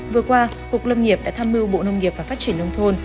vừa qua cục lâm nghiệp đã tham mưu bộ nông nghiệp và phát triển nông thôn